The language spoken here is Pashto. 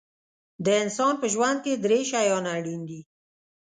د انسان په ژوند کې درې شیان اړین دي.